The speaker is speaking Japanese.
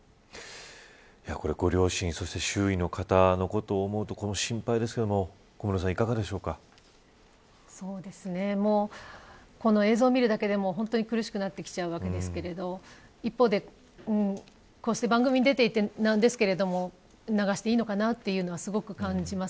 ご両親そして周囲の方のことを思うと心配ですけれどもこの映像を見るだけで苦しくなってきちゃうわけですけれども一方で、こうして番組に出ていてなんですけれども流していいのかなというのはすごく感じます。